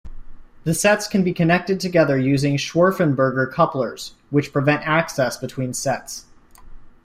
The sets can be connected together using Scharfenberger couplers, which prevent access between sets.